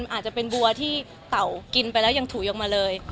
อาจจะเป็นบัวที่เต่ากินไปแล้วยังถูออกมาเลย